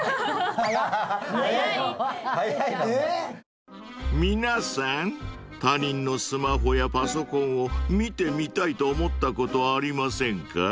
もうはははは早いな早いなお前皆さん他人のスマホやパソコンを見てみたいと思ったことはありませんか？